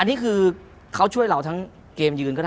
อันนี้คือเขาช่วยเราทั้งเกมยืนก็ได้